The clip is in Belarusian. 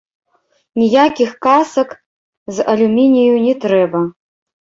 Ніякіх касак з алюмінію не трэба.